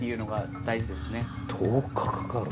１０日かかる。